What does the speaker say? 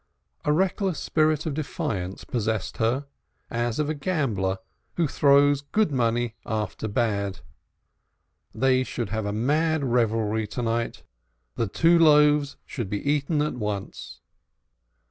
A reckless spirit of defiance possessed her, as of a gambler who throws good money after bad. They should have a mad revelry to night the two loaves should be eaten at once.